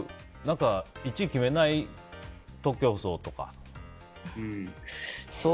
１位を決めない徒競走とか。